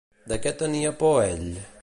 De què tenia por ell?